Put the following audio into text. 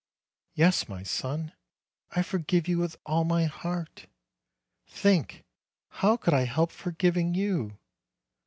"Yes, my son, I forgive you with all my heart. Think, how could I help forgiving you!